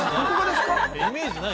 ◆イメージがない。